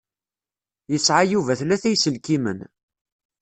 Yesεa Yuba tlata iselkimen.